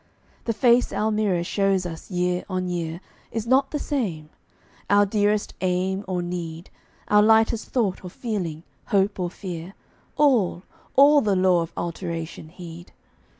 The face our mirror shows us year on year Is not the same; our dearest aim or need, Our lightest thought or feeling, hope or fear, All, all the law of alteration heed.